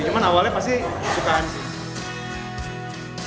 cuma awalnya pasti sukaan sih